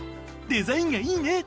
デザインがいいね！